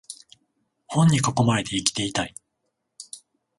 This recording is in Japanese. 本に囲まれて生きていたい